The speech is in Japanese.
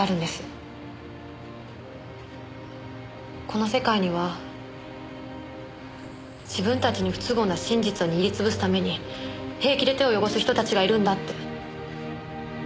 この世界には自分たちに不都合な真実を握りつぶすために平気で手を汚す人たちがいるんだって。